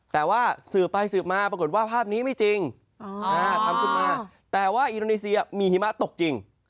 แต่ว่าสืบไปสืบมาปรากฏว่าภาพนี้ไม่จริงทำขึ้นมาแต่ว่าอินโดนีเซียมีหิมะตกจริง